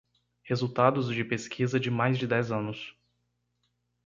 Resultados de pesquisa de mais de dez anos